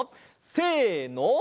せの。